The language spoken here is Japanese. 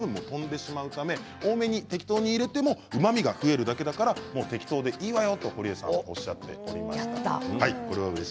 アルコール分も飛んでしまうため多めに適当に入れても、うまみが増えるだけだから適当でいいわよと堀江さんはおっしゃっていました。